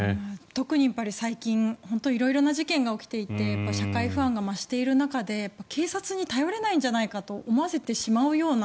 特に、最近本当に色々な事件が起きていて社会不安が増している中で警察に頼れないんじゃないかと思わせてしまうような